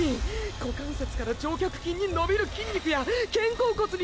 股関節から上脚筋に伸びる筋肉や肩甲骨につながる筋肉！